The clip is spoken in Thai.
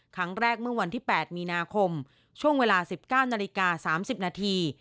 ครั้งแรกเมื่อวันที่๘มีนาคมช่วงเวลา๑๙นาฬิกา๓๐นาที